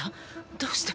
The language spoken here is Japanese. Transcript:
どうして？